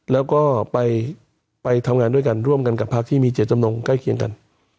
แล้วก็ไปทำงานด้วยกันร่วมกันกับพักที่มีเจตจำนงใกล้เคียงกัน